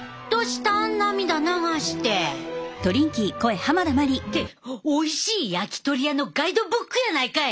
涙流して。っておいしい焼き鳥屋のガイドブックやないかい！